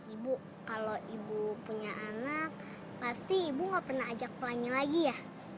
ibu kalau ibu punya anak pasti ibu nggak pernah ajak pelannya lagi ya